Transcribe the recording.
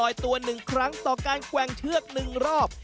ลอยตัวหนึ่งครั้งต่อการแกว่งเชือกหนึ่งรอบ